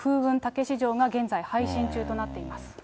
たけし城が、現在配信中となっています。